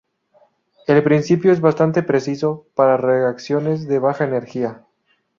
El principio es bastante preciso para reacciones de baja energía.